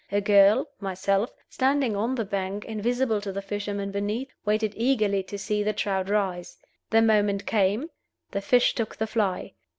A girl (myself) standing on the bank, invisible to the fisherman beneath, waited eagerly to see the trout rise. The moment came; the fish took the fly.